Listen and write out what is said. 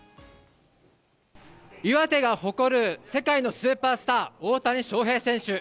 岩手が誇る世界のスーパースター、大谷翔平選手。